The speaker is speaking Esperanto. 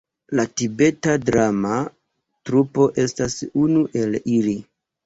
La Tibeta Drama Trupo estas unu el ili.